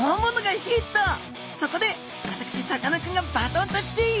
そこで私さかなクンがバトンタッチ！